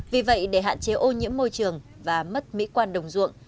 vì vậy để hạn chế ô nhiễm môi trường và mất mỹ quan đồng ruộng